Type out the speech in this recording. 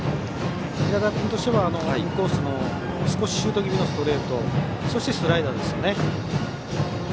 寺田君としてはインコースの少しシュート気味のストレートそしてスライダーですね。